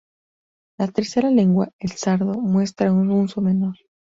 La tercera lengua, el sardo, muestra un uso menor.